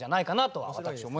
はい。